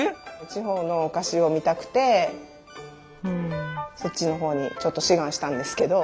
地方のお菓子を見たくてそっちのほうにちょっと志願したんですけど。